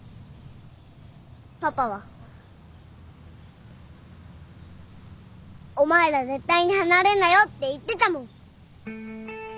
パパは「お前ら絶対に離れんなよ」って言ってたもん。